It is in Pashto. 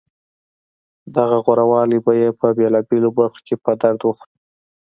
دغه غورهوالی به یې په بېلابېلو برخو کې په درد وخوري